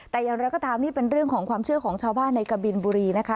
แต่อย่างไรก็ตามนี่เป็นเรื่องของความเชื่อของชาวบ้านในกะบินบุรีนะคะ